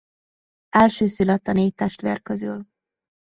Elsőszülött a négy testvér közül.